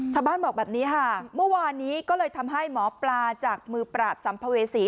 บอกแบบนี้ค่ะเมื่อวานนี้ก็เลยทำให้หมอปลาจากมือปราบสัมภเวษี